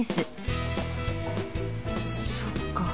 そっか。